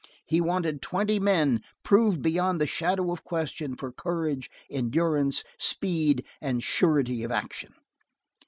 He wanted twenty men proved beyond the shadow of question for courage, endurance, speed, and surety in action.